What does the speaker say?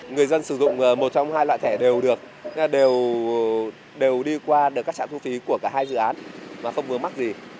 người dân sử dụng một trong hai loại thẻ đều được đều đi qua các trạm thu phí của cả hai dự án mà không vứa mắc gì